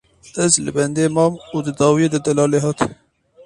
Ez li bendê mam û di dawiyê de Delalê hat.